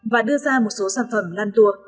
và một số sản phẩm lan tour